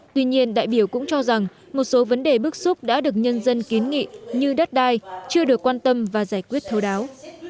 tuy nhiên đại biểu cũng cho rằng một số vấn đề bức xúc đã được nhân dân kiến nghị như đất đai chưa được quan tâm và giải quyết thấu đáo